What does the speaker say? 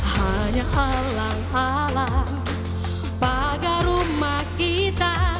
hanya alam alam bagai rumah kita